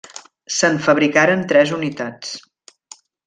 Se'n fabricaren tres unitats.